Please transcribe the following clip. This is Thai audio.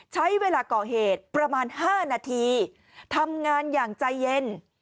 ใช้เวลาก่อเหตุประมาณ๕นาทีทำงานอย่างใจเย็น